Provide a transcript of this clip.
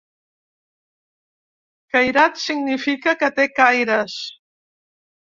Cairat significa 'que té caires'.